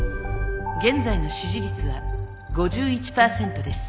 現在の支持率は５１％です。